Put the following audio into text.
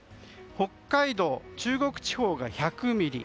北海道、中国地方が１００ミリ。